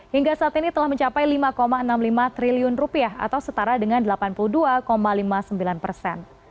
hingga saat ini telah mencapai lima enam puluh lima triliun rupiah atau setara dengan delapan puluh dua lima puluh sembilan persen